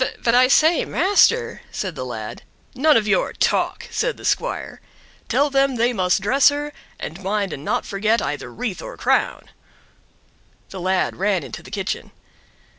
"But I say master—!" said the lad. "None of your talk!" said the squire. "Tell them they must dress her and mind and not forget either wreath or crown. The lad ran into the kitchen.